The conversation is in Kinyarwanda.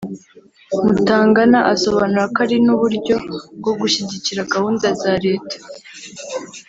Mutangana asobanura ko ari n’uburyo bwo gushyigikira gahunda za leta